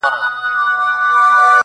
• خير دی ، دى كه اوسيدونكى ستا د ښار دى.